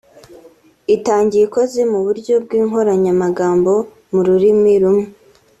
Itangiye ikoze mu buryo bw’inkoranyamagambo y’ururimi rumwe